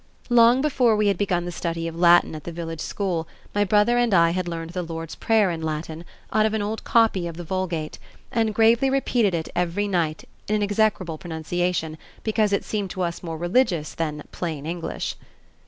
Long before we had begun the study of Latin at the village school, my brother and I had learned the Lord's Prayer in Latin out of an old copy of the Vulgate, and gravely repeated it every night in an execrable pronunciation because it seemed to us more religious than "plain English."